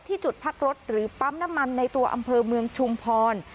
จุดพักรถหรือปั๊มน้ำมันในตัวอำเภอเมืองชุมพร